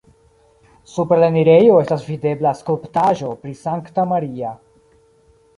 Super la enirejo estas videbla skulptaĵo pri Sankta Maria.